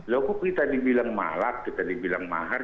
loh kok kita dibilang malak kita dibilang mahar